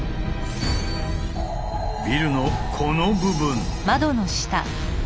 ビルのこの部分。